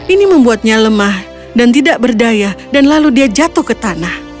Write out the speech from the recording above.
ini membuatnya lemah dan tidak berdaya dan lalu dia jatuh ke tanah